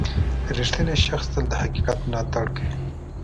• رښتینی شخص تل د حقیقت ملاتړ کوي.